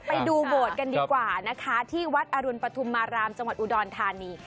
ไปดูโบสถ์กันดีกว่านะคะที่วัดอรุณปฐุมมารามจังหวัดอุดรธานี